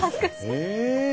え。